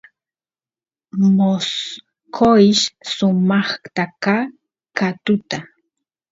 mosqoysh sumaqta ka katuta